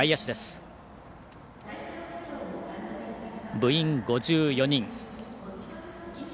部員５４人。